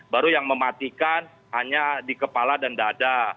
baru yang mematikan hanya di kepala dan dada